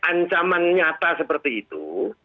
ancaman nyata seperti itu